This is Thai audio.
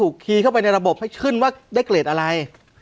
ก็ได้ระบบให้ขึ้นว่าได้เกรดอะไร